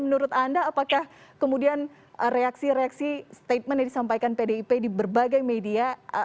menurut anda apakah kemudian reaksi reaksi statement yang disampaikan pdip di berbagai media